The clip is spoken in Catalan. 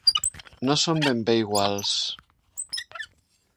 No són ben bé iguals.